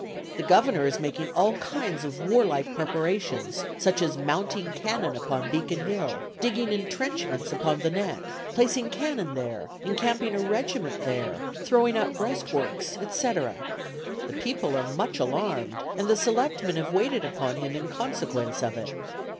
The Governor is making all kinds of warlike preparations, such as mounting cannon upon Beacon Hill, digging intrenchments upon the Neck, placing cannon there, encamping a regiment there, throwing up breast works, etc. The people are much alarmed, and the selectmen have waited upon him in consequence of it.